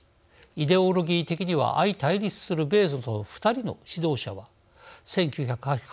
イデオロギー的には相対立する米ソの２人の指導者は１９８５年